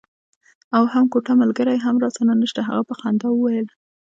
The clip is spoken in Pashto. او هم کوټه ملګری هم راسره نشته. هغه په خندا وویل.